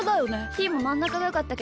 ひーもまんなかがよかったけど。